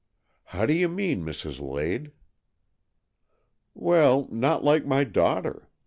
" How do you mean, Mrs. Lade? "" Well, not like my daughter.